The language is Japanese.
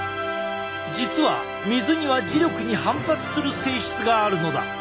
実は水には磁力に反発する性質があるのだ。